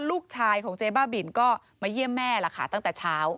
ลูกชายของเจ๊บ้าบินก็มาเยี่ยมแม่ล่ะค่ะตั้งแต่เช้า